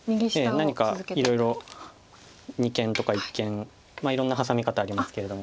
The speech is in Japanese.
何かいろいろ二間とか一間いろんなハサミ方ありますけれども。